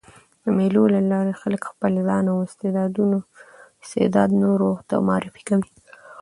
د مېلو له لاري خلک خپل ځان او استعداد نورو ته معرفي کوي.